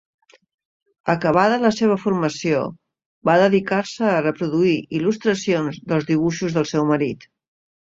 Acabada la seva formació va dedicar-se a reproduir il·lustracions dels dibuixos del seu marit.